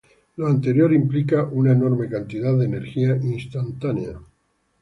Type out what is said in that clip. Lo anterior implica una enorme cantidad de energía instantánea.